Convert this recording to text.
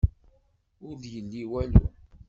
Ur d-yelli walu.